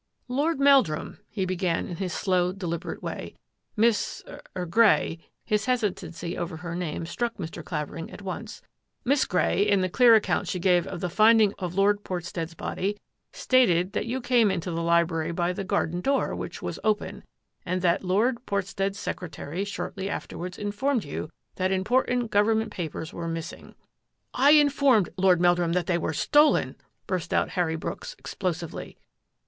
"Lord Meldrum," he began in his slow, de liberate way, " Miss — er — Grey "— his hesi tancy over her name struck Mr. Clavering at once —" Miss Grey, in the clear account she gave of the finding of Lord Portstead's body, stated that you came into the library by the garden door, which was open, and that Lord Portstead's secre tary shortly afterwards informed you that im portant government papers were missing." " I informed Lord Meldrum that they were stolen !" burst out Harry Brooks explosively.